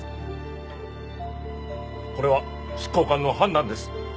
これは執行官の判断です。